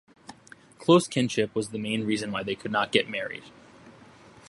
Close kinship was the main reason why they could not get married.